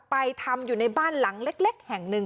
ไปทำอยู่ในบ้านหลังเล็กแห่งหนึ่ง